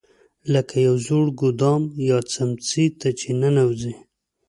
لکه یو زوړ ګودام یا څمڅې ته چې ننوځې.